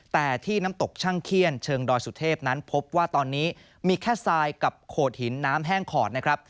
แต่ที่น้ำตกช่างเขี้ยนเชิงดอยสุเทพนั้นพบว่าตอนนี้มีแค่ทรายกับโขดหินน้ำแห้งขอดนะครับ